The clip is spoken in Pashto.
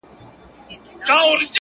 راسه چي له ځان سره ملنګ دي کم!.